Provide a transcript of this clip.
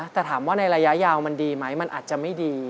แต่ถามว่าในระยะยาวมันดีไหมมันอาจจะไม่ดี